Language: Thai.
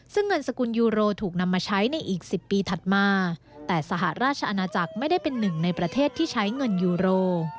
ซึ่งเงินสกุลยูโรถูกนำมาใช้ในอีก๑๐ปีถัดมาแต่สหราชอาณาจักรไม่ได้เป็นหนึ่งในประเทศที่ใช้เงินยูโร